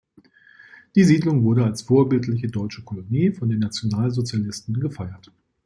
Die Siedlung wurde als vorbildliche deutsche Kolonie von den Nationalsozialisten gefeiert.